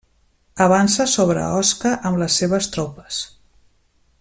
Avança sobre Osca amb les seves tropes.